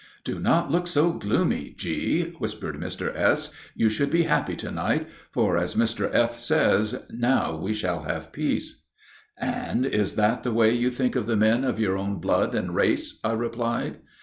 "Do not look so gloomy, G.," whispered Mr. S. "You should be happy to night; for, as Mr. F. says, now we shall have peace." "And is that the way you think of the men of your own blood and race?" I replied.